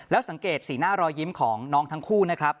สังเกตสีหน้ารอยยิ้มของน้องทั้งคู่นะครับ